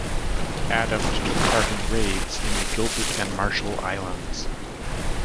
Adams took part in raids in the Gilbert and Marshall Islands.